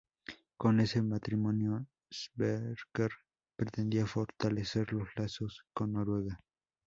Con ese matrimonio, Sverker pretendía fortalecer los lazos con Noruega.